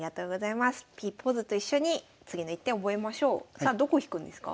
さあどこ引くんですか？